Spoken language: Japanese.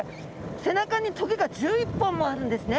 背中に棘が１１本もあるんですね。